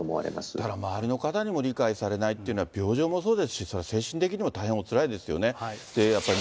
だから周りの方にも理解されないっていうのは、病状もそうですし、精神的にも大変おつらいですよね。